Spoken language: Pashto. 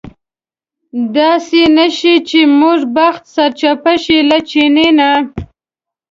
داسې نه شي چې زموږ بخت سرچپه شي له چیني نه.